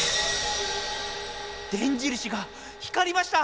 電印が光りました！